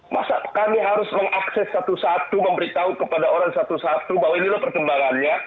masa kami harus mengakses satu satu memberitahu kepada orang satu satu bahwa inilah perkembangannya